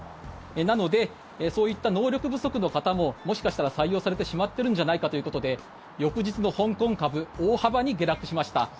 なのでそういった能力不足の方ももしかしたら採用されてしまっているんじゃないかということで翌日の香港株大幅に下落しました。